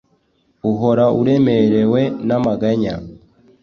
Uhorauremerewe n’ amaganya,